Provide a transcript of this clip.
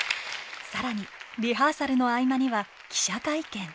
更にリハーサルの合間には記者会見。